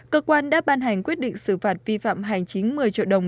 cơ quan đã ban hành quyết định xử phạt vi phạm hành chính một mươi triệu đồng